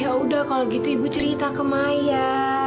ya udah kalau gitu ibu cerita ke maya